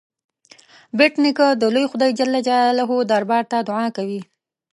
بېټ نیکه د لوی خدای جل جلاله دربار ته دعا کوي.